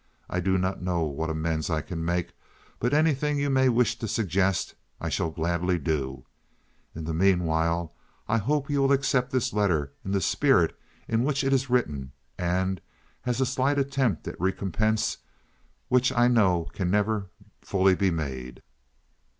I do not know what amends I can make, but anything you may wish to suggest I shall gladly do. In the mean while I hope you will accept this letter in the spirit in which it is written and as a slight attempt at recompense which I know can never fully be made.